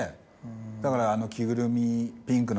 だからあの着ぐるみピンクの。